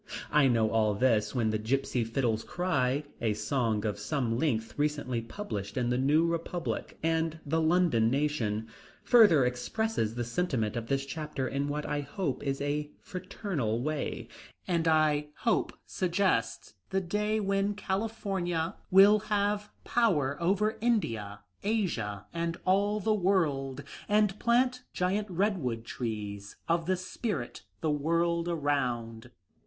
"I Know All This When Gipsy Fiddles Cry," a song of some length recently published in the New Republic and the London Nation, further expresses the sentiment of this chapter in what I hope is a fraternal way, and I hope suggests the day when California will have power over India, Asia, and all the world, and plant giant redwood trees of the spirit the world around.